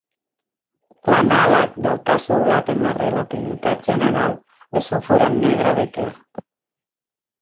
L'anàleg del cas oblat en la relativitat general és un forat negre de Kerr.